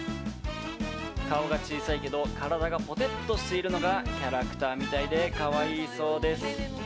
顔が小さいけど体がぼてっとしているのがキャラクターみたいで可愛いそうです。